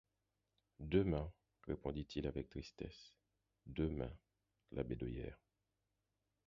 Demain, répondit-il avec tristesse, demain, Labédoyère...